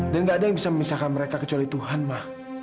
dan gak ada yang bisa memisahkan mereka kecuali tuhan ma